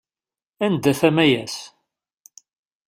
Anda-t Amayas?